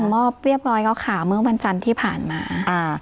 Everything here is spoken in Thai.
มอบเรียบร้อยแล้วค่ะเมื่อวันจันทร์ที่ผ่านมา